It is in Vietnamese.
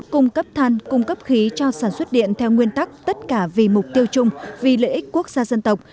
cung cấp than cung cấp khí cho sản xuất điện theo nguyên tắc tất cả vì mục tiêu chung vì lợi ích quốc gia dân tộc